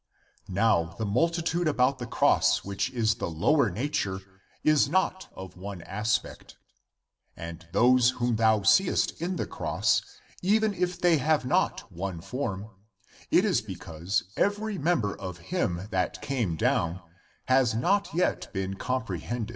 Now the multitude about the cross which is the lower nature is of one aspect; and those whom thou seest in the cross, even if they have not one form, it is because every member of him that came down has not yet been comprehended.